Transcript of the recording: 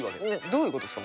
どういうことですか？